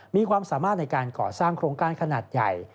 มีความสามารถในการก่อสร้างโครงการขนาดใหญ่